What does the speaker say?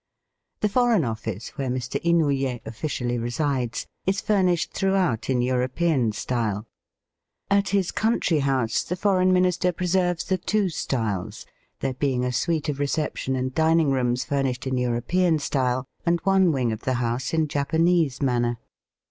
The Foreign Office, where Mr. Inouye officially resides, is furnished throughout in European style. At his country house the Foreign Minister preserves the two styles, there being a suite of reception and dining rooms furnished in European style, and one wing of the house in Japanese manner.